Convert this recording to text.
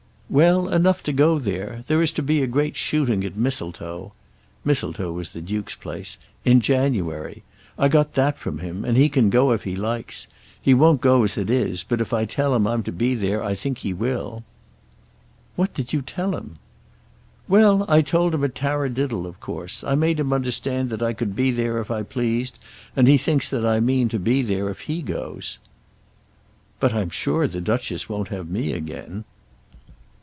"Well enough to go there. There is to be a great shooting at Mistletoe," Mistletoe was the duke's place, "in January. I got that from him, and he can go if he likes. He won't go as it is: but if I tell him I'm to be there, I think he will." "What did you tell him?" "Well; I told him a tarradiddle of course. I made him understand that I could be there if I pleased, and he thinks that I mean to be there if he goes." "But I'm sure the Duchess won't have me again."